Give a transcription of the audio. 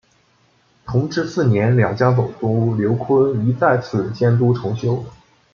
同治四年两江总督刘坤一再次监督重修。